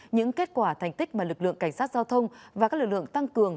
những kết quả thành tích mà lực lượng cảnh sát giao thông và các lực lượng tăng cường